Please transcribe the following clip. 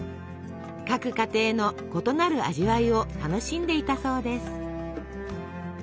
各家庭の異なる味わいを楽しんでいたそうです。